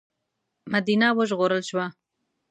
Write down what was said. مدینه وژغورل شوه.